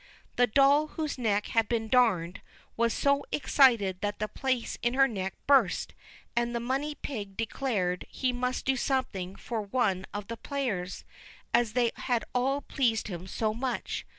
The doll, whose neck had been darned, was so excited that the place in her neck burst, and the money pig declared he must do something for one of the players, as they had all pleased him so much.